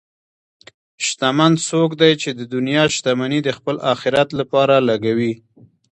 شتمن څوک دی چې د دنیا شتمني د خپل آخرت لپاره لګوي.